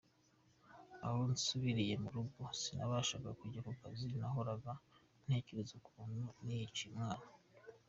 Aho nsubiriye mu rugo, sinabashaga kujya ku kazi nahoraga ntekereza ukuntu niyiciye umwana.